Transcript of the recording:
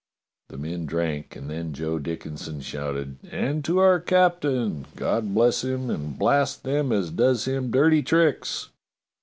The men drank, and then Joe Dickinson shouted: ''And to our captain, God bless him, and blast them as does him dirty tricks!"